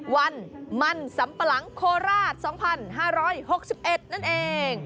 วันมั่นสัมปะหลังโคราช๒๕๖๑นั่นเอง